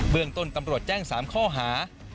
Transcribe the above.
เมืองต้นตำรวจแจ้ง๓ข้อหา